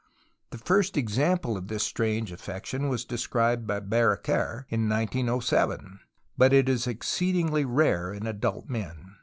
The first example of this strange affection was described by Barraquer in 1007, but it is exceedingly rare in adult men.